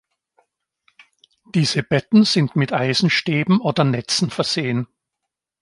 Diese Betten sind mit Eisenstäben oder Netzen versehen.